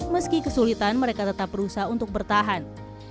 meski kesulitan mereka tetap berusaha untuk bertahan